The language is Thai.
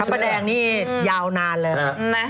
พระแดงนี่ยาวนานเลยนะ